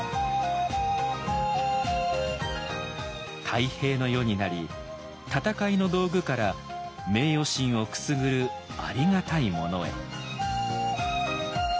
太平の世になり戦いの道具から名誉心をくすぐるありがたいものへ。